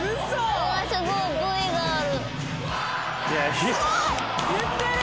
うわすごいＶがある！